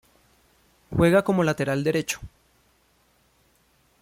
Juega como lateral derecho.